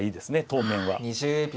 当面は。